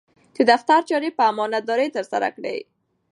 د دفتر چارې په امانتدارۍ ترسره کړئ.